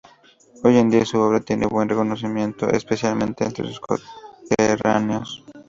Hoy en día su Obra tiene buen reconocimiento, especialmente entre sus coterráneos.